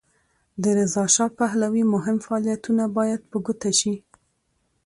د رضاشاه پهلوي مهم فعالیتونه باید په ګوته شي.